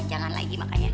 jangan lagi makanya